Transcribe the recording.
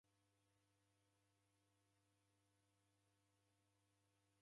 Nichachikanya ulo luvuna